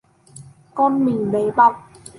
Con mình bé bỏng